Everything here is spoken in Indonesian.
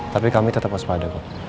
tapi kami tetap waspada kok